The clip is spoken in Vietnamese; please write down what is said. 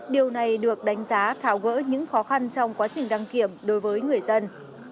điều này được đánh giá tháo gỡ những khó khăn trong quá trình đăng kiểm đối với người dân